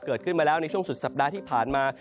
เกิดขึ้นมาแล้วในช่วงสุดสัปดาห์ที่ผ่านมา